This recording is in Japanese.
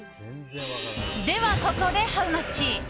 ではここでハウマッチ！